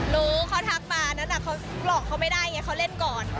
รู้เขาทักมานั้นเขาหลอกเขาไม่ได้ไงเขาเล่นก่อน